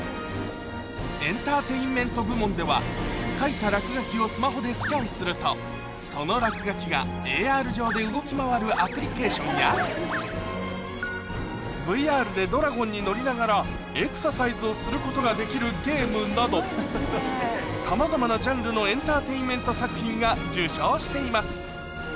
エンターテインメント部門では描いたらくがきをスマホでスキャンするとそのらくがきがＡＲ上で動き回るアプリケーションやＶＲでドラゴンに乗りながらエクササイズをすることができるゲームなどさまざまなジャンルのエンターテインメント作品が受賞しています